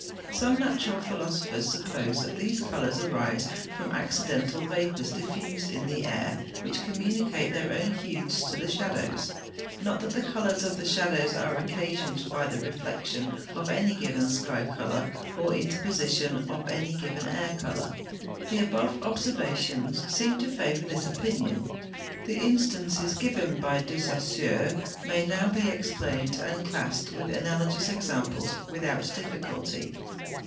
Some natural philosophers suppose that these colours arise from accidental vapours diffused in the air, which communicate their own hues to the shadows; not that the colours of the shadows are occasioned by the reflection of any given sky colour or interposition of any given air colour: the above observations seem to favour this opinion." The instances given by De Saussure may be now explained and classed with analogous examples without difficulty.